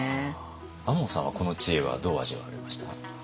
亞門さんはこの知恵はどう味わわれました？